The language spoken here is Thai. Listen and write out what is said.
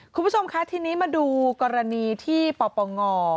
คุณผู้ชมคะทีนี้มาดูกรณีที่ปปง